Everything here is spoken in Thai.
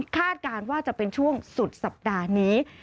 การว่าจะเป็นช่วงสุดสัปดาห์นี้